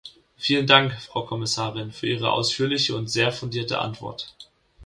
Vielen Dank, Frau Kommissarin, für Ihre ausführliche und sehr fundierte Antwort.